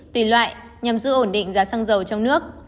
tùy loại nhằm giữ ổn định giá xăng dầu trong nước